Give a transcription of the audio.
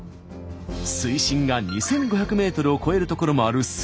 水深が２，５００ｍを超える所もある駿河湾。